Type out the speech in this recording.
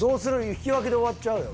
引き分けで終わっちゃうよ。